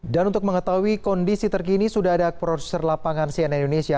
dan untuk mengetahui kondisi terkini sudah ada produser lapangan cnn indonesia